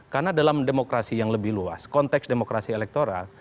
karena dalam demokrasi yang lebih luas konteks demokrasi elektoral